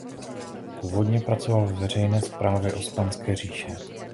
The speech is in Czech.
Původně pracoval ve veřejné správě Osmanské říše.